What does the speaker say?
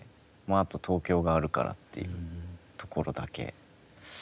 あと、東京があるからというところだけ。